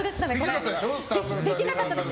私はできなかったです。